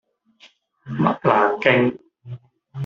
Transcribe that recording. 麥蘭徑